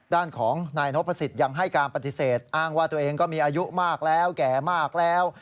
ด้านของนายนพสิทธิ์ยังให้การปฏิเสธอ้างว่าตัวเองก็มีอายุมากแล้วแก่มากแล้ว